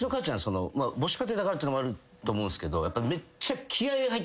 母子家庭だからってのもあると思うんすけど。